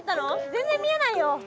全然見えないよ。